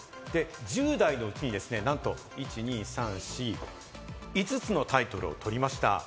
１０代のうちになんと５つのタイトルを取りました。